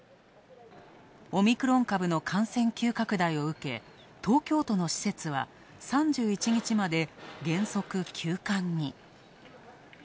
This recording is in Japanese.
オミクロン株の感染急拡大を受け、東京都の施設は３１日まで原則、休館に。